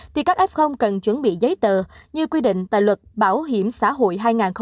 thì các f cần chuẩn bị giấy tờ như quy định tại luật bảo hiểm xã hội hai nghìn một mươi bốn